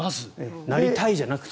なりたいじゃなくて。